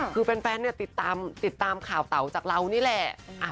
คือแฟนติดตามข่าวเต๋าจากเรานี่แหละ